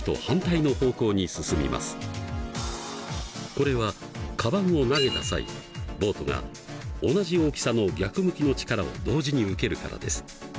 これはカバンを投げた際ボートが同じ大きさの逆向きの力を同時に受けるからです。